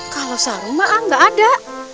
kalau sarung mbak gak ada